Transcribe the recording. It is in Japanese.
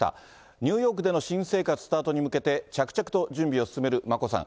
ニューヨークでの新生活スタートに向けて、着々と準備を進める眞子さん。